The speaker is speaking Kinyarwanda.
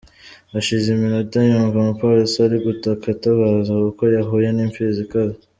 Hashize iminota yumva umupolisi ari gutaka atabaza kuko yahuye n’imfizi ikaze.